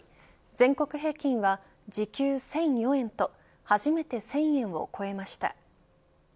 全国平均は、時給１００４円と初めて１０００円を超えました。